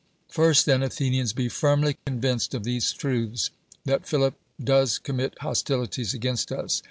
First then, Athenians, lie firmly convinced of these truths: that Phili]) do(^s commit hostilities against us.